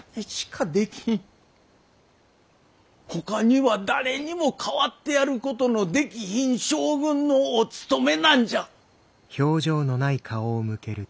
ほかには誰にも代わってやることのできひん将軍のおつとめなんじゃ。